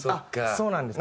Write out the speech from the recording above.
そうなんです。